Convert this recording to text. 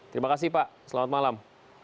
terima kasih pak selamat malam